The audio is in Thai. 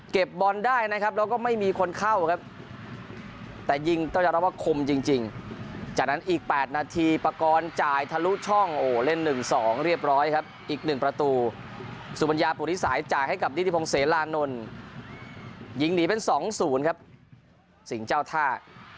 บอลได้นะครับแล้วก็ไม่มีคนเข้าครับแต่ยิงต้องยอมรับว่าคมจริงจากนั้นอีก๘นาทีประกอบจ่ายทะลุช่องโอ้เล่น๑๒เรียบร้อยครับอีก๑ประตูสุปัญญาปุริสัยจ่ายให้กับนิติพงศ์เสรานนท์ยิงหนีเป็น๒๐ครับสิงห์เจ้าท่า